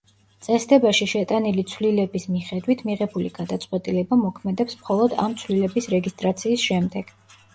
წესდებაში შეტანილი ცვლილების მიხედვით მიღებული გადაწყვეტილება მოქმედებს მხოლოდ ამ ცვლილების რეგისტრაციის შემდეგ.